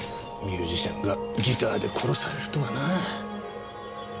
ミュージシャンがギターで殺されるとはな。